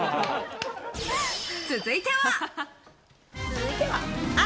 続いては。